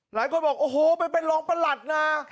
หลายคนบอกโอ้โหไปเป็นรองประหลัดนะ